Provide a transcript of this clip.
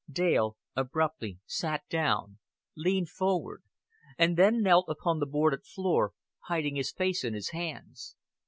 Dale abruptly sat down, leaned forward, and then knelt upon the boarded floor, hiding his face in his hands.